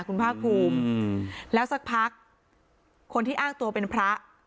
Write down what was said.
คุณภาคภูมิแล้วสักพักคนที่อ้างตัวเป็นพระ